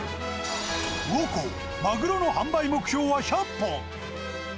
魚幸、マグロの販売目標は１００本。